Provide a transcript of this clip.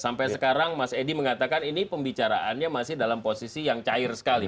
sampai sekarang mas edi mengatakan ini pembicaraannya masih dalam posisi yang cair sekali